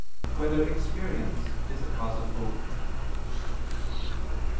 5] Whether Experience Is a Cause of Hope?